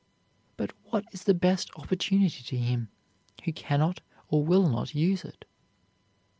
But what is the best opportunity to him who cannot or will not use it?